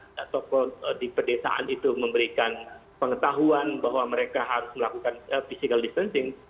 ada tokoh di pedesaan itu memberikan pengetahuan bahwa mereka harus melakukan physical distancing